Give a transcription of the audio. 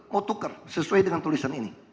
mau tuker sesuai dengan tulisan ini